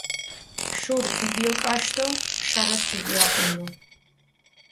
შური ქოგიოკაშჷ დო შარას ქოგიაჸუნუ.